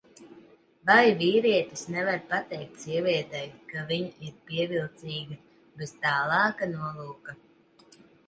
Vai vīrietis nevar pateikt sievietei, ka viņa ir pievilcīga bez tālāka nolūka?